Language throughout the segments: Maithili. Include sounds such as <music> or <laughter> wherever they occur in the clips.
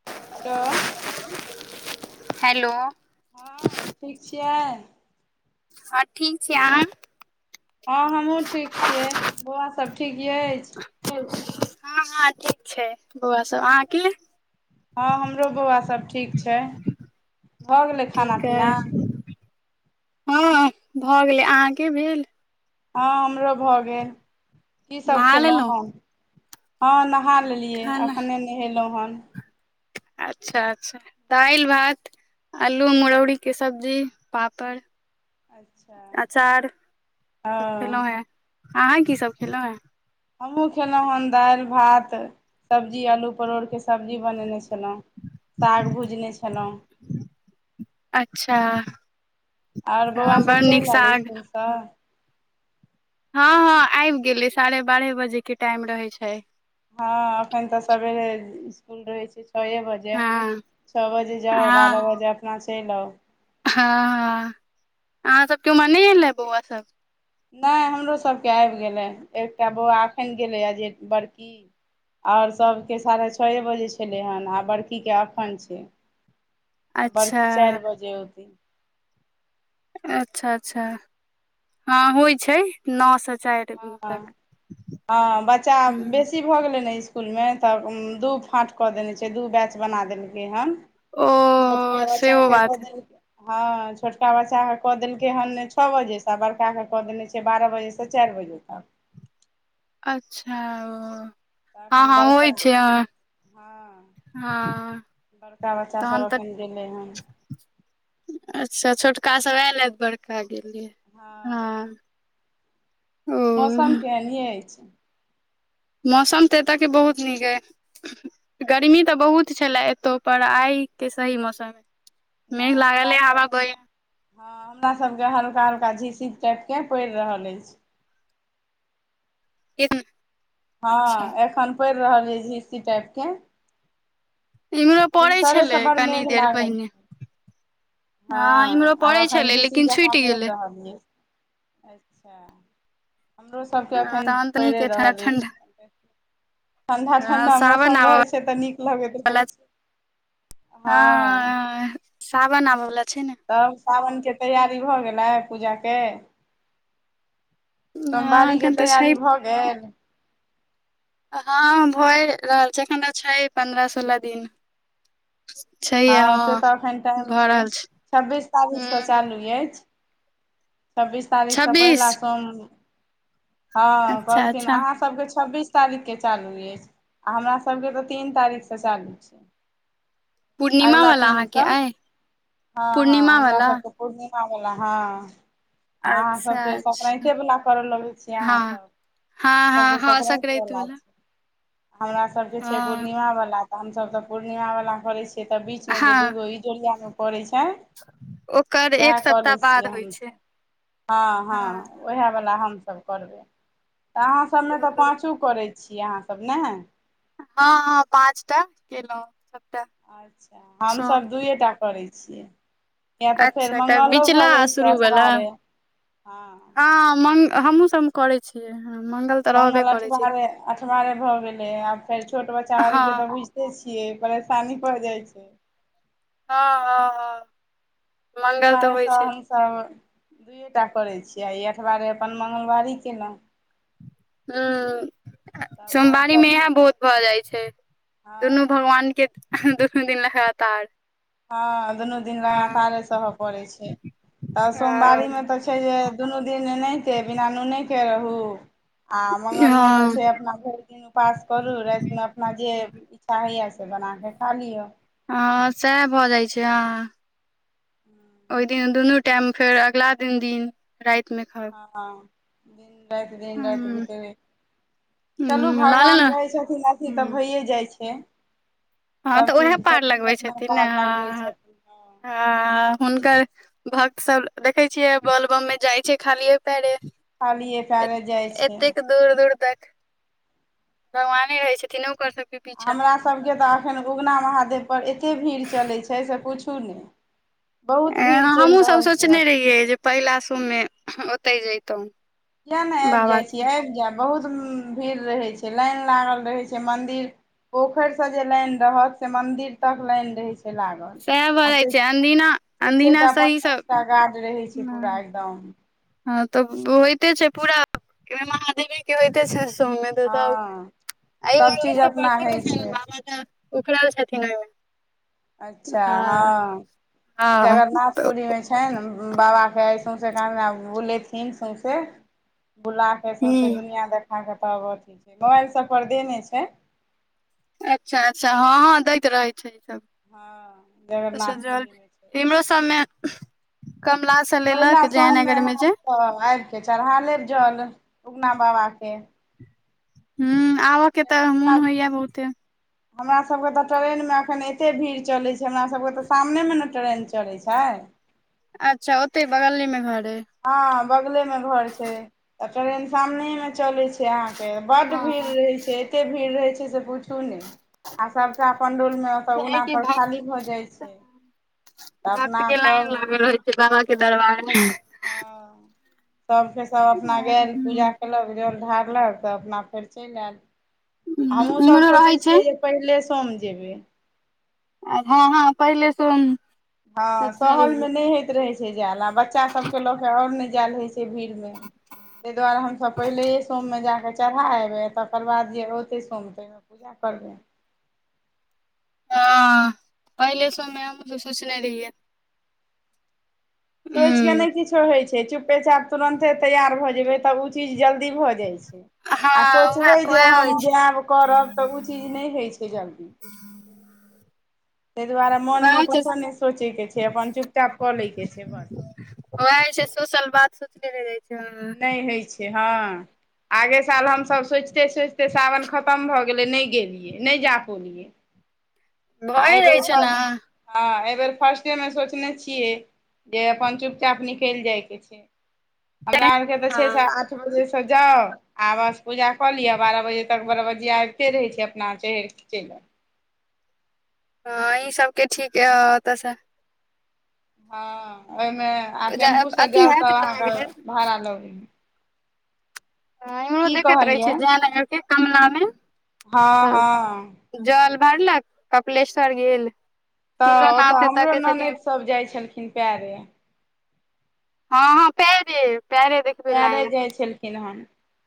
ह <inaudible> हेलो हेलो हँ ठीक छियै हँ ठीक छीयै आहाँ हँ हमहूँ ठीक छियै बौआ सभ ठीक अछि हँ हँ ठीक छै बौआ सब अहाँ के हँ हमरो बौआ सब ठीक छै भऽ गेलै खाना ठीक अइ पीना हँ भऽ गेलै अहाँके भेल हँ हमरो भए गेल की सब नहा खेलहुँ लेलहुँ हन हँ नहा लेलियै खाना अखने नहेलहुँ हन अच्छा अच्छा दालि भात आलू मुरौरीके सब्जी पापड़ अच्छा अचार सब हँ खेलौं हैं अहाँ की सब खेलौं हैं हमहुँ खेलौॅं हन दालि भात सब्जी आलू परोड़ के सब्जी बनेने छलहुँं साग भूजने छलहुँ अच्छा आऔर बौआ हँ बड़ सब नीक चलि रहलै साग इसकुल से हँ हँ आबि गेलै साढ़े बारह बजे के टाइम रहे छै हँ अखन त सबेरे सकूल रहे छै छ़ बजे जे हँ छओ बजे जाहो बारह हँ बजे अपना चलि आओ हँ अहाँ सबके उम्हर नहि एल हे बौआ सब नहि हमरो सभके आबि गेलै एकटा बौआ एखन गेलैए जे बड़की आओर सभके साढ़े छओ बजे छलै हेँ आ बड़कीके एखन छै आ बड़की अच्छा चारि बजे औतै अच्छा अच्छा हँ होइ छै नओ सए चारि हँ तक हँ बच्चा हुँ बेसी भऽ गेलै ने स्सकुल मे तऽ दू फाट कऽ देने छै दू बैच बना देलकै हन छोटका ओ सेहो बच्चाके बात क हेतै। देल हँ छोटका बच्चाक के कऽ देलकै हेन छओ बजेसँ बड़का के कऽ देने छै बारह बजेसँ तऽ चारि बजे तक अच्छा ओ तऽ हँ एखन हँ बड़का होइ छै अ हँ बड़का तहन बच्चासभ तऽ अपन गेलै हन अच्छा छोटकासभ आयेल बड़का गेलियै हँ ओ <unintelligible> मौसम केहन अछि मौसम ते एतय के बहुत नीक अय गर्मी अच्छा तऽ बहुत छले एतो पर आइ के सही मौसम मे मेघ नहि लागल हमरा हय हाबा सब हँ हमरा सब के हल्का हल्का झिसि टाइप के पड़ि रहल अछि एक <unintelligible> हँ एखन पड़ि रहल अय झिंसी टाइप के इम्हरो पड़ै भिनसरे छलै से बड़ मेघ कनी देर लागल पहिने हँ इम्हरो आब पड़ै एखन छलै झींसी लेकिन जकाँ छुटि पड़ि गेलै रहल यै अच्छा हमरो सबके हँ अखन तहन तऽ पड़ि नीक अइ ठंडा रहल ठंडा अछि ठंडा हँ ठंडा सावन मौसम आबऽ रहे छै तऽ नीक लगैत रहै वला छै हँ सावन आबै वला छै ने तब सावनके तैयारी भऽ गेलै पूजाके हँ सोमवारीके एखन तऽ छै तैयारी भऽ गेल हँ भए रहल छै एखन त छै पन्द्रह सोलह दिन हँ से तऽ एखन टाइम भऽ छै रहल छब्बीस तारीखके हूँ चालू अछि छब्बीस तारीखसँ छब्बीस पहिला सोम हँ अच्छा कहलखिन अच्छा अहाँसभके छब्बीस तारीख के चालू अछि आ हमरा सब के तऽ तीन तारीख से चालू छै पूर्णिमा अगला वाला अहाँके दिनसँ अइ हँ हँ पूर्णिमा हमरा वाला सबके पूर्णिमा बला हँ आ अच्छा अहाँसभके अच्छा संकरातेवला करय लगै छियै हँ अहाँसभ हँ हँ हँ सकराति बला हमरा सबके छै पूर्णिमा वाला तऽ हमसभ तऽ पूर्णिमा वाला करे छियै तऽ बीच मे जे हँ दूगो जोरियामे पड़ैत छै ओकर सएह एक कऽ सप्ताह लैत बाद छियै होइ हम छै हँ हँ वएह बला हमसभ करबै तऽ अहाँ सबमे तऽ पाँचो करै छियै अहाँ सब ने हँ हँ पाँचटा केलहुँ सबटा अच्छा सोम हमसभ दुए टा करैत छियै किये तऽ फेर अच्छा मङ्ंगलो बिचला भऽ आ गेल छै शुरू वला अठबारे हँ हँ मं हमहुँ सब म मंगल छै अठबारे अठबारे भऽ गेलै आ फेर छोट बच्चा हँ वाली के तऽ बुझ छियै परेशानी भऽ जाइ छै हँ हँ हँ मंगल तऽ होइ छै तब दुइयए टा करैत छी आ ई अठबारे अपन मंगलवारी केलहुँ हूंम्म तब आओर सोमवारी मे सभ एहेन बहुत भऽ जाइ छै, दुनू हँ भगवान के। दुनू दिन लगातार हँ दुनू दिन हँ लगातारे सहय पड़ैत छै तऽ हँ सोमवारीमे तऽ छै जे दुनू दिन नहि के बिना नूने के रहू, आ मंगल मे तऽ छै अपना भरि। दिन उपवास करू रातिमे अपना जे इच्छा होइए से बनाके खा लिअ हँ सएह भऽ जाइत छै हँ <inaudible> न दुनू टाइम फेर अगला दिन दिन राति मे खाउ हँ दिन-राति, दिन-राति हूँ बितै चलू, हूँ लऽ भगवान लेलौं रहैत छथिन। अथी तऽ हूँ भइये जाइ छै हँ तऽ सब उएह चीज पार सबचीज लगबै अपना छथिन ने पार लगबै हँ छथिन हँ हँ हुनकर भक्त सब देखै छियै बलबम मे जाइ छै खालिए पैरे खालिए पयरै जाइ छै एतेक दूर दूर तक भगवाने रहय छथिन ओकर सब हमरा सभके तऽ एखन उगना महादेवपर एतेक भीड़ चलै छै से पुछू ने बहुत भीड़ चलि हमहुँ सब रहल छै सोचने अखन रहियै जे पहिला सोममे ओतहि जैतहुँ किएक नहि आबि जाइत छी आबि जायब, बहुत भीड़ रहैत छै, लाइन लागल रहैत छै मन्दिर मे पोखरि सँ जे लाइन रहत, से मन्दिर तक लाइन रहैत छै लागल सएह भऽ आ <unintelligible> जाइ छै अनदिना चारि अनदिना सही सब टा-पाँच टा गार्ड रहैत छै, पूरा एकदम। हँ तऽ होइते छै पूरा महादेवे के होइते छै मे तऽ सब हँ सभ मन्दिर चीज सँ अपना प्रसिद्ध होइ छै, बाबा तऽ उखड़ल छथिन ओहि मे अच्छा हँ हँ तऽ जगन्नाथपुरीमे छै छै ने बाबा के आइ सौंसे कहाँदुना बुलेथिन सौंसे बुला फैर सौसे ह दुनिया देखाकऽ पावर कि छै, मोबाइल सब पर दे नहि छै। अच्छा अच्छा, हँ हँ, दैत रहै छै ई त हँ सभ जल। जगरनाथपुरीमे छै इमरो सबमे कमला से लेलक पहिला सोममे जायनगर में हैत जे तऽ आबिके चढ़ा लेब जल उगना बाबाके ह आबऽ के किया तऽ मुन हमरा होइया बहुते हमरा सबके तऽ ट्रेनमे अखन एते भीड़ चलै छै हमर सभभके तऽ सामनेमे ने ट्रेन चलै छै अच्छा ओते बगले मे घर आई हँ बगले में घर छै त ट्रेन सामने में चले छै अहाँके बड्ड भीड़ हँ रहै छै कतय भीड़ रहै छै, से पूछू ने, आ सबटा अपन रुल में। तऽ छै उना कि पर भक्त खाली भऽ जाई छै तऽ भक्त अपना के लाइन सब। लागल रहै बाबा के दरबारमे है हँ तबके सब अपना गेल पूजा हूँ कलक जल ढारलक तऽ अपना फेर चलि आयल हमहुँ सब इम्हरो रहै सोचै छै छियै जे पहिले सोम जेबै हँ हँ पहिले सुन हँ सहल मे नई होइत रहै छै जायल आ बच्चा सबके लऽ के और नई जालि होइ छै भीड़ मे तेई दुआरे हमसभ पहिलेए सोममे जाकऽ चढ़ा एबै तकर बाद जे ओतै सोम तै पूजा करबै हँ पहिले समे हम तो सोचने रहियै सोच के नई हूँ किछो हइ छै चुपे चाप तुरन्ते तैयार भऽ जेबै तब चीज जल्दी भऽ जाइ छै आ हँ सोचब उएह जे उएह हम होइ छै जायब करब तऽ ओ चीज नहि होइ छै जल्दी। ताहि दुआरे मोन उएह में होइ छै किछु नहि सोचय के छै, अपन चुपचाप कऽ लैऽ के छै बस। ओही छै, सोशल बात सोचैत-सोचैत रहि जाइत छै हँ। <unintelligible> नहि हइ छै हँ आगे साल हमसभ सोचिते-सोचिते सावन खतम भऽ गेलै, नहि गेलियै, नहि जा पौलियै। आ भए एहि जाइ बेर छै ने फर्स्ट में, हँ एहि बेर फर्स्टे में सोचने छियै। जे अपन चुपचाप निकलि जाय के छै, हमरा आरके तऽ छै। हँ बज-सज जाउ। आ बस पूजा कऽ लिअ बारह बजे तक बारह बजीया आबिते रहै छै अपना चढ़ि क चलिऽ हँ ई सबके ठीकयै ओतऽसँ हँ, अइ मे आ टेम्पू सँ अथी जाउ, हयत तऽ लग अहाँके हयत भाड़ा लागि। ह अईमे देखैत रहै छियै कहलियै जयनगर के कमला मे ह, ह सब जल भरलक कपलेश्वर गेल तऽ ओतऽ किलोनाथ एतऽ हमरो के ननदि छथिन सभ जाइ छलखिन पैरे। हँ हँ पएरे पएरे देख परे जाय छलखिन हेन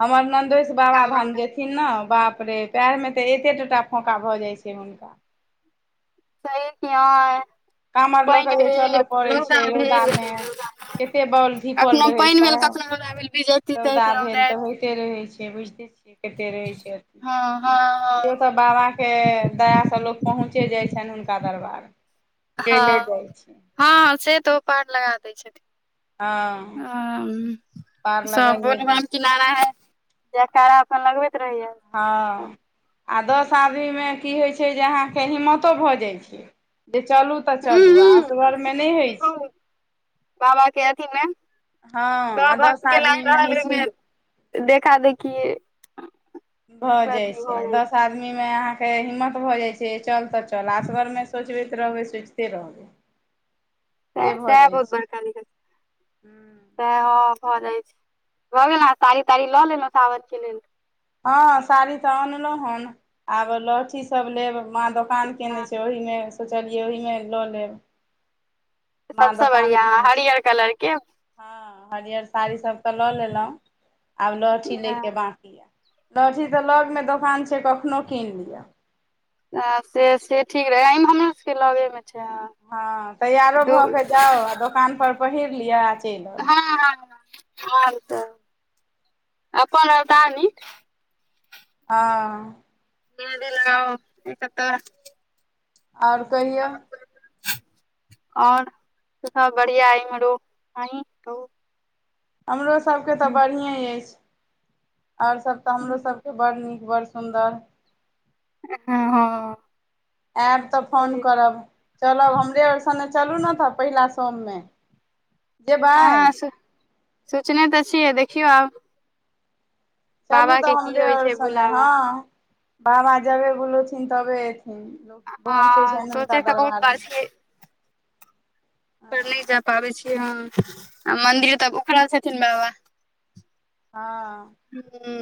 हमर नन्दोस बाबा धाम काँवर जे सही न ने बाप रे पएर में तऽ एते टोटा फोका भऽ जाय छै हुनका सह य कामर लऽ पानि कऽ जे भेल चलय पड़ैत रौगा छै भेल रौदामे कते बॉल <unintelligible> धीपल कखनो रहै पानि भेल छै कखनो हा भेल भीज <unintelligible> रौदा भेल तऽ होइते रहै छै बुझिते छियै कते रहै छै हँ हँ अथी सब बाबा के दया स लोक पहुँचे जाइ छनि हुनका दरबार चैले हँ हँ जाइ छै हँ से तऽ ओपार लगा दै छथिन हँ ह पार स लगाइए दै ने <unintelligible> नाना है जैकारा लगबैत रहहिय हँ आ दस आदमीमे की होइत छै? अहाँके हिम्मतो भऽ जाइ छै जे चलू? तऽ हू चलू, हू आस गर से में नहि से होइत छै। बहुत बाबा के अथी मे हँ आ सब दस भक्त के लाइन आदमीमे होइ रहल छै ओहिमे देखा देखि भ जाइ छै दस द आदमी में अहाँके हिम्मत भ जाइ छै, चल त चल। आ‌ असगर में सोचैत रहबै, सोचिते रहबै। <inaudible> से भऽ ते जाइ बहुत छै बड़का नल। तऽ हँ भऽ जाइत छै भऽ गेल ने साड़ी ताड़ी लऽ लेलहुँ सावर कऽ लेलऽ हँ साड़ी तऽ अनलहु हन आब लहठी सब लेब माँ द काम केने हँ छै ओहिमे सोचलियै ओहिमे ल‌ लेब माँ सबसे दोकान बढ़िया केने छै हरियर कलर के हँ हरियर साड़ी सब तऽ लऽ लेलु आब लहठी ले हँ, के बाकी लहठी तऽ लग मे दोकान छै कखनो कीन लियअ से से ठीक रहे हमरो सबके लगे मे हँ, तैयारो भ क जाउ, आ दोकान पर पहिर लिअ आ चलि आउ। ह आर तऽ अपन रहता नीक हँ मेंनदी लगाब एक त और कहियौ और सब बढ़िया य एमहरो अही हमरो सभके तऽ बढ़िए अछि आओर सभ तऽ हमरोसभ बड़ नीक, बड़ सुन्दर। हँ हँ आयब तऽ फोन करब, चलब हमरे आओर संगे चलू ने त पहिला सोममे। जेबै हँ, सोचने त छियै, देखियौ आब। चलू बाबा तऽ के की हमरे होइ आओर छै सगे ने बुलाबा हँ बाबा जबे बोलथिन तबे लग पहुँचि गेल हँ छैन हुनका सोचे तऽ बहुत दरबार बार में। छियै पर नहि जा पाबै छी हँ, आ मन्दिर तऽ उखड़ल छथिन बाबा। हँ ह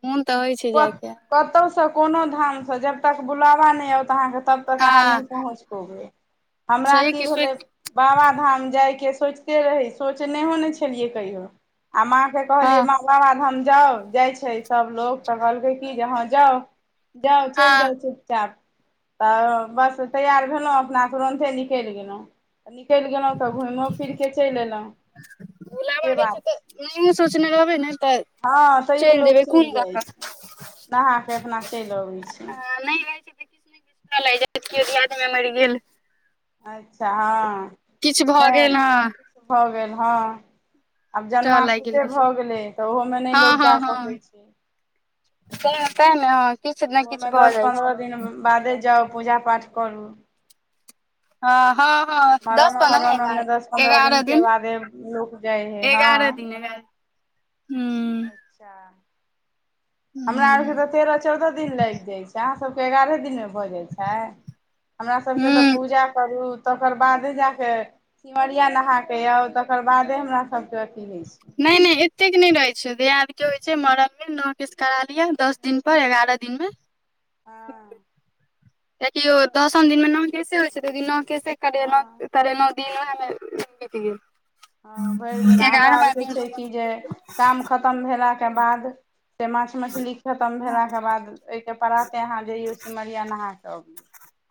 मोन त होइ छै जायके कतहुसँ कोनो धामसँ जब तक बुलाबा नहि आओत अहाँकेँ तब तक अहाँ हँ नहि पहुँच पबै हमरा छै की कि भेलै सोच बाबा धाम जाय के सोचैत रहियै, सोचलहुँ नहि छलियै कहियो आ माँ के हँ कहलियै माँ बाबाधाम जाउ जाइ छै सभलोग त कहलकै की जे हँ जाउ जाउ हँ चैल जाउ चुपचाप तऽ बस तैयार भेलहुँ अपनासँ तुरंत निकलि गेलहुँ तऽ निकलि गेलहुँ तऽ घुमो फिर कऽ चलि एयलहुँ बुलाबा से रहै छै बात तऽ छै नहियो सोचने रहबै ने तऽ हँ तैयो लोक जेबै चलि कोन दऽ जाइ कऽ छै नहा के अपना चलि अबैत छै नहि जाइ छै। <unintelligible> जाइत कियो दियाद मऽ मरि गेल अच्छा हँ किछु भऽ नहि गेल हँ भऽ गेल हँ आब तऽ जनमा लागि गेल सुूते किछु भऽ गेलै तऽ ओहोमे नहि हँ लोके जा सकै छी त ते ने हँ किछु ने ओहोमे किछु भऽ दस जाइ पन्द्रह छै दिन बादे जाउ पूजा पाठ करू ह हँ हँ, मरनो दस-पन्द्रह नहि, एगारह हरनोमे दिन दस पन्द्रह एगारह दिनके दिन। बादे लोक जाइ हइ हँ एगारह एगारह दिन जा हमरा आर हूँ के तऽ तेरह चौदह दिन लागि जाय छै अहा और के एगारे दिन मे भऽ जाइ छै, हमरा सभके तऽ हूँ पूजा करू। तकर बादे जाके सिमरिया नहाके आउ तकर बादे हमरा सभके अथी होइ छै नहि नहि एतेक नहि रहै छै दियाद के होइ छै मरम मे न केस करा लिअ दस दिन पर एगारह दिन मे हँ देखियौ अच्छा दसम दिन मे नाव केसे होइ छै तऽ ओ दिन न केसे हँ करेलहुं करेलहुँ दिन ओहे में बीत गेल हँ भरि दििन हमरा एगारहमा आरके दिन छै कि जे काम खतम भेलाकऽ बाद से माँछ मछली खतम भेलाके बाद ओहिके प्राते अहाँ जइयो सिमरिया नहा के आउ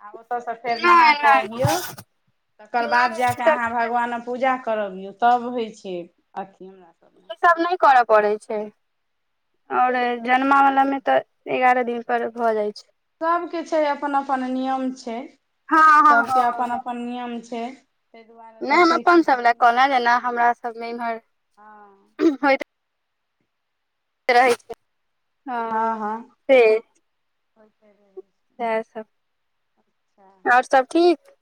आ ओतयसँ फेर नहा नहि नहि केबियौ तकर बाद नहि ई जा कऽ सब अहा भगवान पूजा कर करबियौ तब होइ छै अथी हमरा सब ई सब नहि करऽ पड़ै छै आओर जनमावला मे तऽ एगारह दिन पर भऽ जाइ छै। सभ के छै अपन अपन नियम छै हँ हँ सभ हँ के अपन अपन नियम छै। दुआरे नई तऽ हम छै अपन कि जे सब लए अपना कहल जेना हमरा सबमे इमहर हँ हो रहै छै हँ हँ छै इएह सब अच्छा आओर सब ठीक